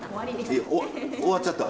終わっちゃった。